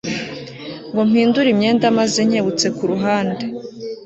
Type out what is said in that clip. ngo mpindure imyenda maze nkebutse kuruhande